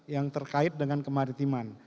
yang terkait dengan kemaritiman